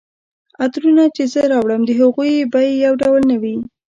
عطرونه چي زه راوړم د هغوی بیي یو ډول نه وي